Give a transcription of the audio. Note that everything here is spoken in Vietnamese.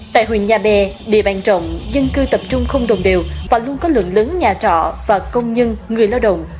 tại huyện nhà bè địa bàn trọng dân cư tập trung không đồng đều và luôn có lượng lớn nhà trọ và công nhân người lao động